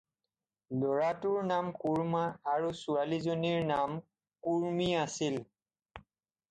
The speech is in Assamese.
ল'ৰাটোৰ নাম কোৰ্ম্মা আৰু ছোৱালী জনীৰ নাম, কুৰ্ম্মী আছিল।